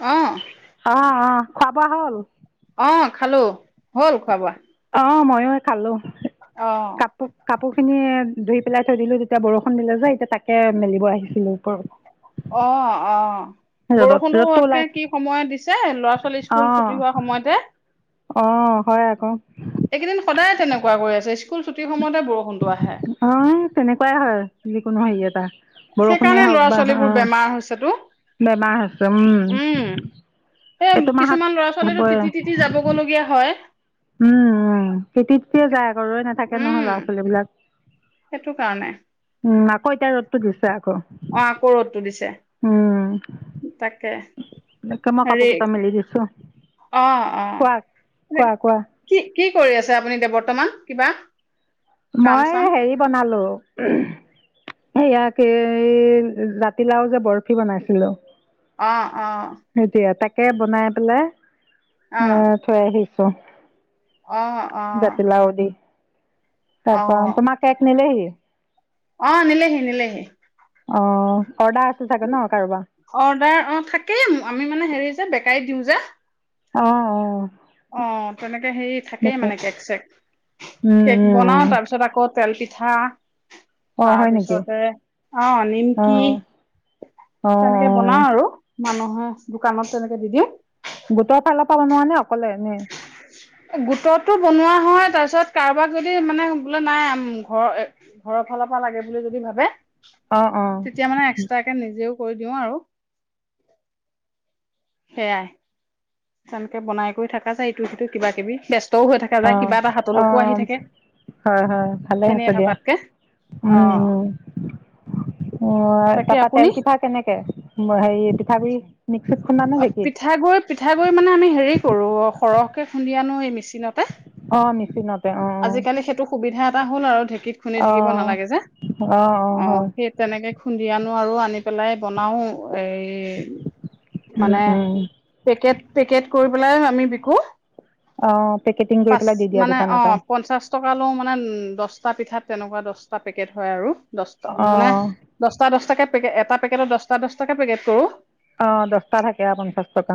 অ', আহ অ। খোৱা বোৱা হল? অ', খালো হ'ল খোৱা বোৱা। অ মইো খালো। অ', কাপোৰ কাপোৰ। খিনি ধুই পেলাই থৈ দিলো যেতিয়া বৰষুণ দিলে যাই এতিয়া তাকে মেলিব আহিছিলো ওপৰত। অ অ ৰ'দত ৰ'দটো ওলাই বৰষুণটো কি সময় দিছে ল'ৰা ছোৱালী স্কুল ছুটি হোৱা সময়তে। অহ হয় আকৌ। এইকেইদিন সদায় তেনেকুৱা কৰি আছে স্কুল ছুটিৰ সময়তে বৰষুণটো আহে। অ তেনেকুৱাই হয় যিকোনো হয় ইয়াত। অ। সেইকাৰণে ল'ৰা ছোৱালীবোৰ বেমাৰ হৈছেতো বেমাৰ হৈছে উম উম সেই এইটো মাহত কিছুমান ল'ৰা ছোৱালীতো হ'বই তিতি তিতি যাবগলগীয়া হয়। উম উম খেতিতে। যায় আকৌ ৰৈ নাথাকে উম, নহয় ল'ৰা ছোৱালী বিলাক সেইটো কাৰণে উম কইতাৰ ৰদতো দিছে উম এনে অ', আকৌ ৰ'দটো দিছে তাকে। মই হেৰি কাপোৰ কিটা মেলি দিছো অ', অ', কোৱা কোৱা কোৱা। কি কি কৰি আছে আপুনি এতিয়া বৰ্তমান কিবা। কাম মই চাম? হেৰি বনালো। ইয়াকে জাতিলাও যে বৰফি বনাইছিলোঁ। অ অ। তাকে বনাই পেলাই। অ থৈ আহি। ছ। অহ অহ তাপা তোমাক এইক নিলেহি। অ নিলেহি নিলেহি। অ অৰ্ডাৰ আছিল চাগে ন কাৰোবাৰ অৰ্ডাৰ অ থাকেইম আমি মানে হেৰি। বেকাই দিওঁ যে। অ অ অ তেনেকে হেৰি থাকেই সেইটো মানে কেক চেক উম কেক উম বনাও উম তাৰপিছত আকৌ তেল পি। হা। অ হয় নেকি তাৰপিছতে আহ অ নিমকি অ অ তেনেকে বনাও আৰু। মানুহৰ দোকানত তেনেকে দি দিওঁ। গোটৰ ফালৰ পৰা সোমোৱা নে অকলে এনেই! গোটটো বনোৱা হয় তাৰপিছত কাৰোবাক যদি মানে বোলে নাই ঘৰৰ ঘৰৰ ফালৰ পৰা লাগে বুলি যদি ভাবে! অ অ তেতিয়া মানে এক্সট্ৰাকে নিজেও কৰি দিওঁ আৰু! সেয়াই তেনেকে বনাই কৰি থকা যায় এইটো সিটো কিবা কিবি ব্যস্ত অ অ হয় হয় ভালে আ এনে হৈছে দিয়া থকাতকে অ উম উ বাকী তাৰাপা আপুনি তেল পিঠা কেনেকে সেই এতি খাপি। অ পিঠাগুৰি পিঠাাগুৰি মানে আমি হেৰি কৰো অ সৰহ খুন্দি আনো ঐ মেচিনতে। অ মেচিনতে অ অ। তাৰ হ'ল আৰু! গীত শুনি থাকিব অ' নালাগে যে অ সেই তেনেকে খুন্দি আনো আৰু আনি পেলাই বনাওঁ। এই উম মানে উম! পেকেট পেকেট কৰি পেলাই আমি বিকো। অ' পেকেটিং কৰি পাঁচ পেলাই দি দিয়া মানে অ দোকানত আৰু পঞ্চাশ টকা লৌ মানে দহ পাঁচটা পিঠাত তেনেকুৱা দহটা পেকেট হয় আৰু! দহটা মানে অ' দহটা দহটাকে এটা পেকটত দহটা দহটাকে পেকেট কৰোঁ। অ দ!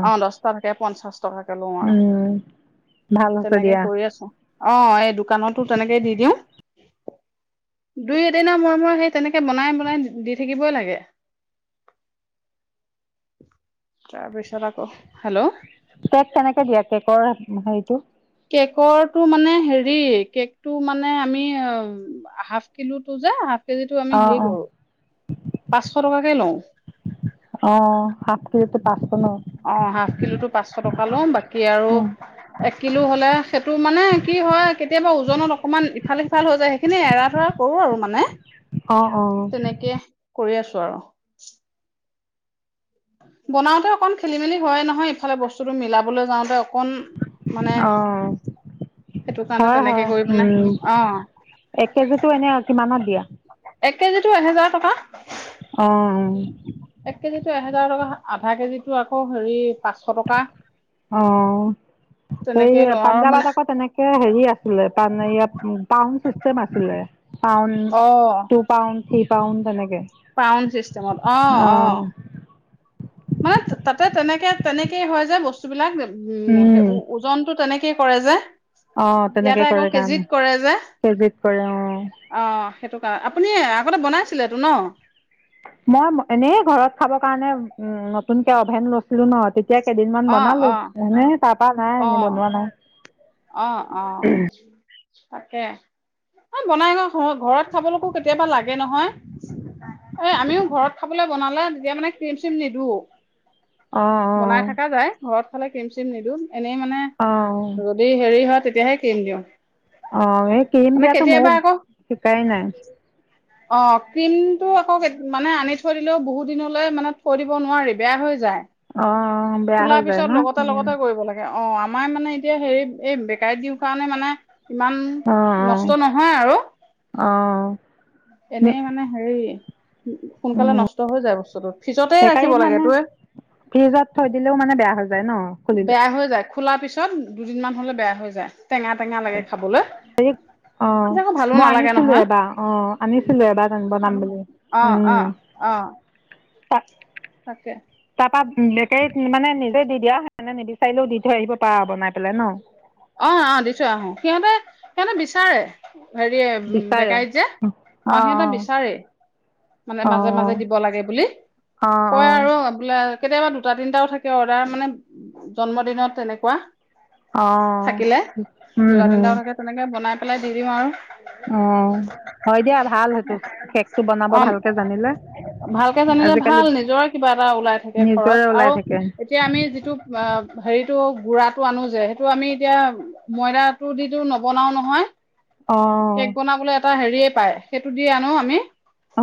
অ দছটা থাকে পঞ্চাশ টকাকে লও আৰু উম ভাল হৈছে তেনেকে দিয়া কৰি আছো অ এই দোকানতো তেনেকে দি দিওঁ! দুই এদিনৰ মূৰে মূৰে সেই তেনেকে বনাই বনাই দি থাকিবই লাগে। তাৰপিছত আকৌ হেল্ল'! কেক কেনেকে দিয়া কেকৰ হেৰিটো কেকৰটো মানে হেৰি কেকটো মানে আমি হাফ কিলোটো যে হাফ এই যিটো আমি অ' হেৰি অ' কৰোঁ? পাঁচশ টকাকে লওঁ অ' হাফ কেজিটো পাঁচশ ন অ হাফ কিলোটো পাঁচশ টকা লওঁ বাকী আৰু অ' এক কিলো হলে সেইটো মানে কি হয় কেতিয়াবা ওজনত অকমান ইফাল সিফাল হৈ যায় সেইখিনি এৰা ধৰা কৰো আৰু মানে? অ অ তেনেকে কৰি আছো আৰু! বনাওতে অকন খেলি মেলি হয় নহয় ইফালে বস্তুতটো মিলাবলৈ যাওঁতে। ফোন মানে অ' সেইটো কাৰণে হয় তেনেকে হয় কৰিপিনে উম। অ এক কেজিটো এনে কিমানত এক কেজিটো এহেজাৰ টকা এক কেজিটো অহ এহেজাৰ আধা কেজিটো আকৌ হেৰি পাঁচশ টকা অ সেই তেনেকে লওঁ আৰু মানে পাঞ্জাৱত আকৌ তেনেকে হেৰি আছিলে পয়াত পাউন চিচতেম আছিলে পাউণ্ড অ টু পাউণ্ড থ পাউণ্ড তেনেকে পাউণ্ড চিষ্টেমত অ অ মানে তাতে তেনেকে তেনেকেই হয় যে বস্তুবিলাক উম সেই ওজনতো তেনেকেই কৰে যে। অহ তেনেকে ইয়াতে আকৌ কৰে কাম, কেজিত কৰে যে কেজিত কৰে অহ। অ সেইটো কাৰ আপুনি আগতে বনাইছিলেতো ন? মই এনেই ঘৰত খাব কাৰণে উ নতুনকে অভেন লৈছিলো ন এতিয়া কেইদিনমান অ বনালো অ এনে তাপা নাই অ মই বনোৱা নাই। অ অ তাকে এই বনাই ন ঘ-ঘৰত খাবলৈকো কেতিয়াবা লাগে নহয়, এ আমিও ঘৰত খাবলৈ বনালে তেতিয়া মানে ক্ৰীম চিম নিদো। অ বনাই থাকা অ যায় ঘৰত খালে ক্ৰিম চিম নিদু। এনেই মানে অ ৰদেই হেৰি হয়। তেতিয়াহে ক্ৰিম দিও। অ এই ক্ৰীম দিয়াতো ময়ো শিকাই নাই। অ ক্ৰীমটো আকৌ মানে আনি থৈ দিলেও বহুত দিনলৈ মানে থৈ দিব নোৱাৰি বেয়া হৈ যায়। অ বেয়া খোলা হৈ যায় পিছত ন লগতে লগতে কৰিব লাগে আৰু। অ আমাৰ মানে এতিয়া হেৰি এই বেকাৰীত দিওঁ কাৰণে মানে ইমান অ নষ্ট নহয় আৰু অ অ এনেই মানে হেৰি উ উম, সোনকালে নষ্ট হৈ যায় বস্তু [unintelligible] ফিছতে বেকাৰীত ৰাখিব লাগে মানে তোৱে ফ্ৰিজত থৈ দিলেও মানে বেয়া হৈ যায় ন। খুলিলে। বেয়া হৈ যায়। খোলাৰ পিছত দুদিনমান হ'লে বেয়া হৈ যায় টেঙা টেঙা লাগে। খাবলৈ অ মই তেতিয়া আনিছিলো আকৌ ভালো এবাৰ নালাগে নহয় অ আনিছিলো এবাৰ জানিবনাম অ অ অ [unintelligible] তাকে তাৰপা বেকাৰীত মানে নিজে দি দিয়ানে নিবিচাৰিলেও দি থৈ আহিব পাৰা বনাই পেলাই ন। অ আহ দি থো আহো সিহঁতে সিহঁতে বিচাৰে হেৰি বিচাৰে বেকাৰী যে অ সিহঁতে বিচাৰে মানে অ', মাজে মাজে অ', দিব লাগে বুলি অ', কয় অ'। আৰু বোলে কেতিয়াবা দুটা তিনটাও থাকে অৰ্ডাৰ মানে জন্ম দিনত তেনেকুৱা অ', থাকিলে উম, দুটা হম, তিনিটা থাকে তেনেকে বনাই পেলাই দি দিম আৰু। অ'। হয় দিয়া ভাল সেইটো কেকটো বনাব অ ভালকে জানিলে। ভালকে জানিলে আজিকালি ভাল নিজৰে কিবা এটা ওলাই থাকে খৰচ নিজৰে ওলাই আৰু থাকে এতিয়া আমি যিটো হেৰিত গুৰাটো আনো যে টো আমি এতিয়া ময়দাটো দিতো নবনাও নহয় আহ কেক বনাবলৈ এটা হেৰিয়ে পায় সেইটো দি আনো আমি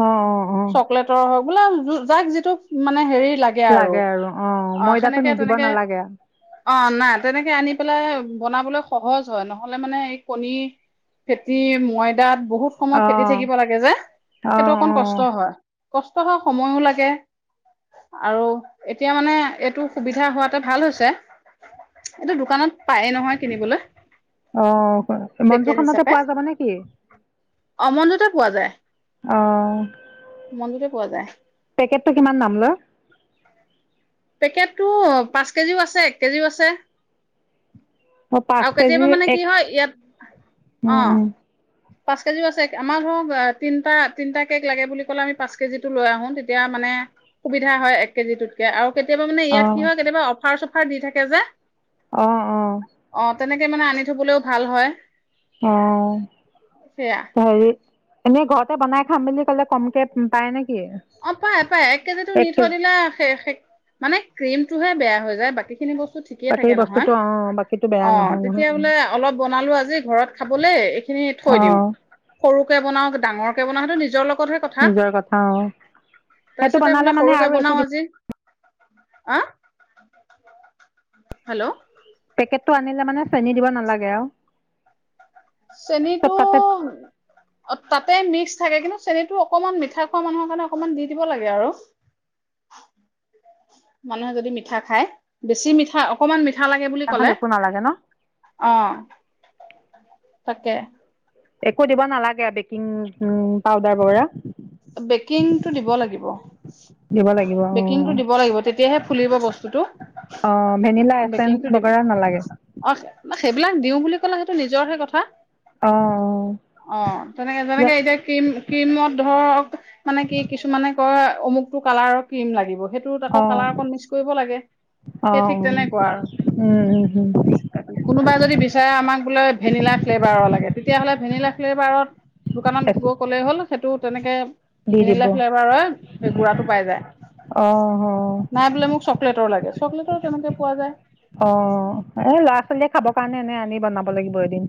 অ', অ', অ'। চকলেটৰ হওক বোলা যাক যিটো মানে হেৰি লাগে আৰু অঁ অ ময়দাটো হেনেকে নিদিব তেনেকে নালাগে অ না তেনেকে আনি বনাবলৈ সহজ হয় নহলে মানে এই কণী ফেতি ময়দাত বহুত সময় ফেটি অঁ থাকিব লাগে যে সেইটো অঁ অকণ অঁ কষ্ট হয় কষ্ট হয় সময়ো লাগে আৰু এতিয়া মানে এইটো সুবিধা হোৱাতে ভাল হৈছে এইটো দোকানত পায়েই নহয় কিনিবলৈ আহ মনজু পেকেট খনতে হিচাপে পোৱা যাব নেকি অ মনজুতে পোৱা যায় অঁ মনজুতে পোৱা যায় পেকেতটো কিমান দাম লয় পেকেটতটো পাঁচ কেজিও আছে এক কেজিও আছে অ পাঁচ আৰু কেতিয়াবা কেজি মানে এক কি হয় ইয়াত উম অ উম পাঁচ কেজিও আছে আমাৰ ধৰক তিনিটা তিনিটা কেক লাগে বুলি ক'লে আমি পাঁচ কেজি টো লৈ আহো তেতিয়া মানে সুবিধা হয় এক কেজি টোতকে আৰু কেতিয়াবা মানে ইয় কি অঁ হয় কেতিয়াব অফাৰ দি থাকে যে। আহ আহ অ তেনেকে মানে আনি থবলৈও ভাল হয়। অ সেয়া হেৰি এনে ঘৰতে বনাই খাম বুলি ক'লে কমকে পায় নেকি। অ পাই পাই এক কেজি নি থৈ দিলে মানে ক্ৰীমটোহে বেয়া হৈ যায় বাকী খিনি বস্তু ঠিকে বাকী থাকে নহয় বস্তুটো অঁ বাকীটো বেয়া অ নহয় তেতিয়া নহয় বোলে অলপ বনালো আজি ঘৰত খাবলে এইখিনি থৈ দিওঁ অঁ সৰুকে বনাও ডাঙৰ বনা সেইটো নিজৰ লগত নিজৰ কথা অ তাৰপিছতে বোলে সৰুকে বনাও আজি হ হেল্ল' পেকটটো আনিলে মানে চেনি দিব নালাগে আৰু চব চেনীটো তাতে তাত মিক্স থাকে কিন্তু চেনিটো অকমান মিঠা খোৱা মানুহৰ কাৰণে অকমান দি দিব লাগে আৰু মানুহে যদি মিঠা খায় বেছি মিঠা অকমান মিঠা। মিঠা লাগে বুলি ক'লে একো নালাগে ন অ তাকে একো দিব নালাগে বেকিং পাউদাৰ ব বেকিংটো দিব লাগিব দিব লাগিব অ বেকিংটো দিব লাগিব তেতিয়াহে ফুলিব বস্তুটো অ ভেনিলা এচেঞ্চ বেকিংটো দিব বগেৰা নালাগে অ সেইবিলাক দিও বুলি ক'লে সেইটো নিজৰ হে কথা অ অ তেনেকে যেনেকে এতিয়া ক্ৰীম ক্ৰীমত ধৰক মানে কি কিছুমানে কয় অমুকটো কালাৰৰ ক্ৰীম লাগিব সেইটো আকৌ অ অ কালাৰ অকণ মিক্স কৰিব লাগে অ সেই ঠিক তেনেকুৱা উম আৰু কোনোবাই যদি আমাক বোলে ভেনিলা ফ্লেভাৰৰ লাগে তেতিয়াহ'লে ভেনিলা ফ্লেভাৰত দোকানত গৈ ক'লে হ'ল সেইটো তেনেকে দি দিব ভেনিলা ফ্লেভাৰ সেই গুড়টো পাই যায় অ অ নাই বোলে মোক চকলেটৰ লাগে চকলেটৰো তেনেকে পোৱা যায় অ এ ল'ৰা ছোৱালীয়ে খাব কাৰণে এনে আনি বনাব লাগিব এদিন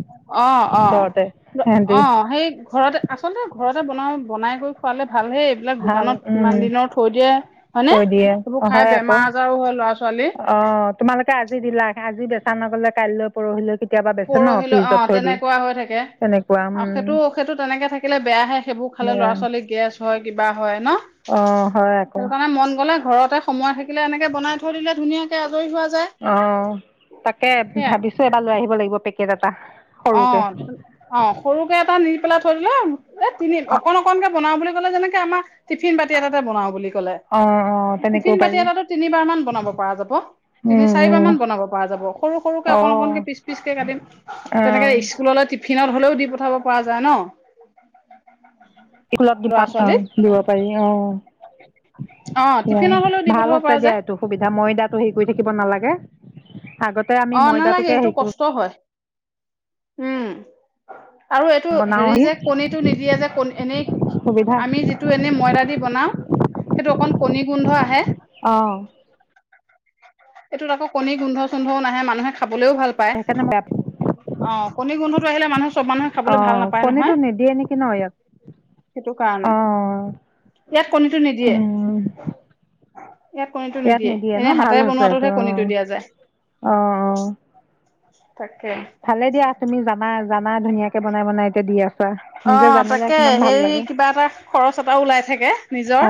অ অ ঘৰতে সিহঁতি অ সেই ঘৰতে আচতে ঘৰতে বনাওঁ বনাই কৰি খোৱালে ভালহে এইবিলাক ভাল দোকানত উম কিমান দিনৰ থৈ দিয়ে হয়নে থৈ দিয়ে সেইবোৰ খাই হয় আকৌ বেমাৰ আজাৰো হয় ল'ৰা ছোৱালী অ তোমালোকে আজি দিলা আজি বেচ সান নকলে কাইলৈ পৰহিলৈ কেতিয়াবা বেচে ন পৰহিলৈ অ ফ্ৰিজত থৈ দি তেনেকুৱা হৈ থাকে তেনেকুৱা আৰু উম সেইটো সেইটো তেনেকে থাকিলে বেয়াহে সেইবোৰ খালে বেয়া ল'ৰা ছোৱালী গেছ হয় কিবা হয় ন অ হয় আকৌ সেইটো কাৰণে মন গ'লে ঘৰতে সময় থাকিলে এনেকে বনাই থৈ দিলে ধুনীয়াকৈ অ তাকে সেয়াই ভাবিছো এবাৰ লৈ আহিব লাগিব পেকট অ অ সৰুকে এটা নি পেলাই চৰিলা এ তিনি অ অকণ অকনকে বনাও বুলি যেনেকে আমাৰ টিফিন বাতি এটাতে বনাও বুলি ক'লে অ অ টিফিন তেনেকৈও বাতি পাৰি এটাটো তিনিবাৰ মান বনাব পৰা যাব তিনি উম চাৰিবাৰ উম মান বনাব পৰা যাব সৰু সৰুকে অ অকণ অকণকে পিচ পিচকে কাটিম অ তেনেকে স্কুললে ফিনত হলেও দি পঠাব পৰা যায় ন স্কুলত ল'ৰা পাম অ ছোৱালীক দিব পাৰি অ অ', দ টিফিনত হ'লেও দি ভাল পঠাব আছে পৰা দিয়া যায় এইটো সুবিধা মই দাতো হেৰি কৰি দিম থাকিব নালাগে আগতে আমি অ নালাগে ময়দাটোকে সেইটো হেৰি কৰো কষ্ট হয় উম আৰু এইটো বনাও হেৰি হি যে কণীটো নিদিয়ে যে কণ এনেই সুবিধা আমি যিটো এনেই ময়দা দি বনাও সেইটো অকন কণী গোন্ধ আহে অ এইটোত আকৌ কণী গোন্ধ চোন্ধও নাই মানুহে খাবলৈও ভাল পায় সেইকাৰণে মই অ কণী গোন্ধত আহিলে মানুহ অ কণীটো নিদিয়ে নেকি ন ইয়াত সেইটো কাৰণে অ ইয়াত কণীটো উ নিদিয়ে ইয়াত কণীটো নিদিয়ে এনে হাতেৰে হৈছে এইটো বনোৱাাতটোহে অ কণীটো দিয়া যায় অ অ উ [inaudible] ভালে দিয়া তুমি জানা জানা ধুনীয়াকে বনাই বনাই এতিয়া দি আছা অ নিজে জানিলে তাকে কিমান ভাল হেৰি লাগে কিবা এটা খৰচ এটাও ওলাই থাকে নিজৰ অ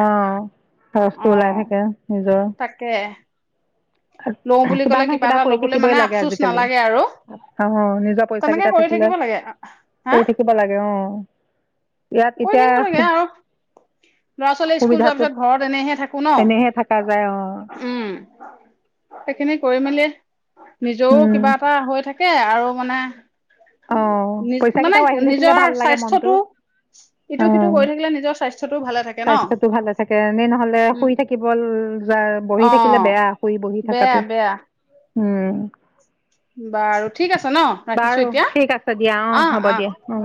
অ খৰচটো ওলাই থাকে নিজৰ তাকে লওঁ বুলি কিবা ক'লে নহয় কিবা এটা কৰি ল'বলৈ মানে থাকিবই লাগে আফচোচ আজিকালি নালাগে আৰু অ নিজৰ পইচা তেনেকে কেইটা কৰি থাকিলে থাকিব লাগে হা কৰি থাকিব লাগে অ ইয়াত কৰি এতিয়া থাকিব লাগে আৰু ল'ৰা ছোৱালী স্কুল যোৱাৰ সুবিধাটো পিছত ঘৰত এনেহে থাকো এনেহে থকা যায় অ ন উম সেইখিনি কৰি মেলি নিজেও উম কিবা এটা হৈ থাকে তাকে আৰু মানে অ নি পইচা মানে কেইটাও আহি থাকিলে নিজৰ ভাল লাগে মনটো স্বাস্থ্যটো ইটো অ সিটো কৰি থাকিলে নিজৰ স্বাস্থ্যটো ভালে থাকে ন স্বাস্থ্যটো ভালে থাকে এনে নহলে উম শুই থাকিব য বহি অ থাকিলে বেয়া শুই বহি বেয়া থকাতো বেয়া উম বাৰু ঠিক আছে ন বাৰু ৰাখিছো এতিয়া। ঠিক আছে দিয়া অ হ'ব দিয়া অ।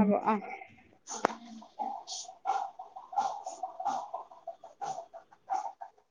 উ। [inaudible]